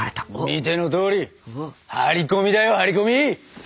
見てのとおり張り込みだよ張り込み。